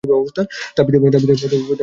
তার পিতার নাম উবাইদুল্লাহ ইবনে আমর।